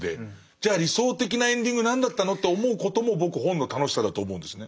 じゃあ理想的なエンディング何だったの？と思うことも僕本の楽しさだと思うんですね。